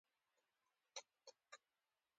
هندوانه د سهار پر ځای غرمه خوړل کېږي.